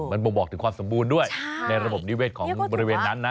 มันบ่งบอกถึงความสมบูรณ์ด้วยในระบบนิเวศของบริเวณนั้นนะ